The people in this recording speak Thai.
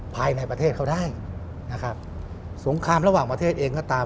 ภายในประเทศเขาได้นะครับสงครามระหว่างประเทศเองก็ตาม